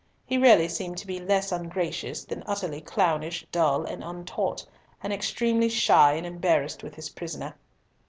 He really seemed to be less ungracious than utterly clownish, dull, and untaught, and extremely shy and embarrassed with his prisoner.